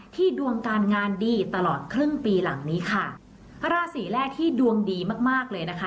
ดวงการงานดีตลอดครึ่งปีหลังนี้ค่ะราศีแรกที่ดวงดีมากมากเลยนะคะ